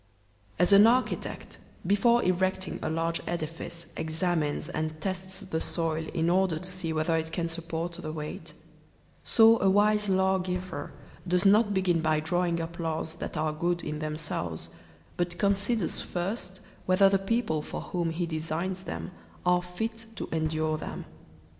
As AN architect, before erecting a large edifice, exam ines and tests the soil in order to see whether it can support the weight, so a wise lawgiver does not begin by drawing up laws that are good in themselves, but considers first whether the people for whom he designs them are fit to endure them.